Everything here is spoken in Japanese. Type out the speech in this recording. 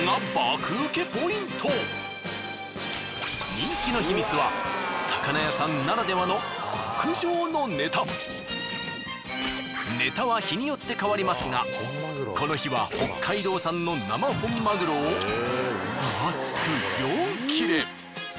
人気の秘密はネタは日によって変わりますがこの日は北海道産の生本マグロを分厚く４切れ。